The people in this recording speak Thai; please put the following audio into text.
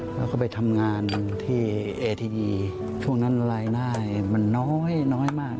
แล้วก็ไปทำงานที่เอทีวีช่วงนั้นรายได้มันน้อยน้อยมาก